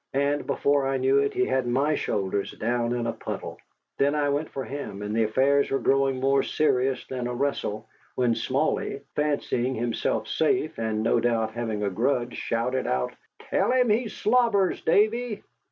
And before I knew it he had my shoulders down in a puddle. Then I went for him, and affairs were growing more serious than a wrestle, when Smally, fancying himself safe, and no doubt having a grudge, shouted out: "Tell him he slobbers, Davy."